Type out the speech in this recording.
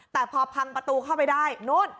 แต่พอแพลงประตูเข้าไปได้โน้ต